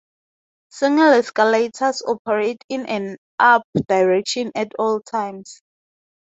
Single escalators operate in an up direction at all times.